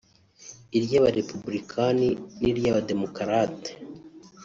iry’abarepubulikani n’iry’abademokarate